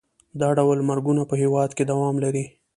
دا ډول مرګونه په هېواد کې دوام لري.